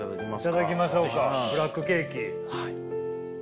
頂きましょうかブラックケーキ。